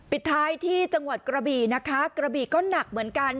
ปิดท้ายที่จังหวัดกระบี่นะคะกระบี่ก็หนักเหมือนกัน